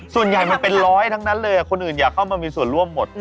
มันเป็นร้อยทั้งนั้นเลยคนอื่นอยากเข้ามามีส่วนร่วมหมด